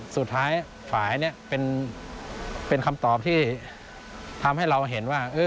สุดท้ายฝ่ายนี้เป็นคำตอบที่ทำให้เราเห็นว่า